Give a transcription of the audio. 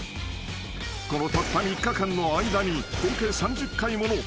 ［このたった３日間の間に合計３０回ものコラ！